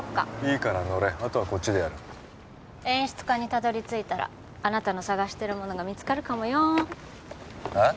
いいから乗れあとはこっちでやる演出家にたどりついたらあなたの捜してるものが見つかるかもよえっ！？